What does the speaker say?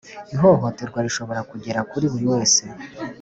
Ihohoterwa rishobora kugera kuri buri wese,